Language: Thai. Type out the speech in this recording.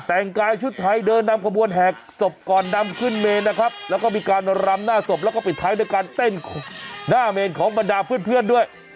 แต่งกายชุดไทยเดินนำขบวนแหกศพก่อนนำขึ้นเมนนะครับแล้วก็มีการรำหน้าศพแล้วก็ปิดท้ายด้วยการเต้นหน้าเมนของบรรดาเพื่อนด้วย